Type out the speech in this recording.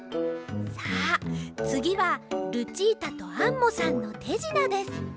さあつぎはルチータとアンモさんのてじなです。